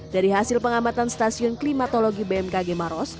dari hasil pengamatan stasiun klimatologi bmkg maros